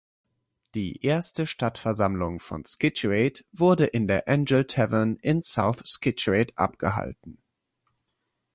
Die erste Stadtversammlung von Scituate wurde in der Angell Tavern in South Scituate abgehalten.